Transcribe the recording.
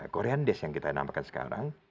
korean desk yang kita namakan sekarang